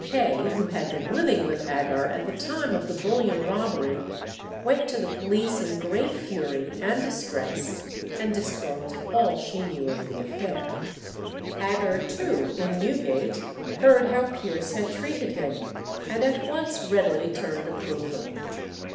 Kay, who had been living with Agar at the time of the bullion robbery, went to the police in great fury and distress, and disclosed all she knew of the affair. Agar too, in Newgate, heard how Pierce had treated him, and at once readily turned approver.